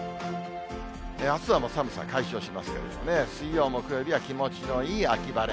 あすは寒さ解消しますけれどもね、水曜、木曜日は気持ちのいい秋晴れ。